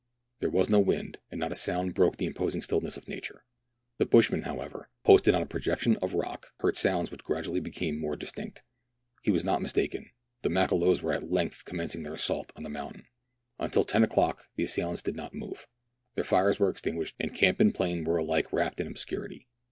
There was no wind, and not a sound broke the imposing stillness of nature. The bushman, however, posted on a projection of rock, heard sounds which gradually became more distinct. He was not mistaken ; the Makololos were at length com mencing their assault on the mountain. Until ten o'clock the assailants did not move ; their fires were extinguished, and camp and plain were alike wrapped in obscurity.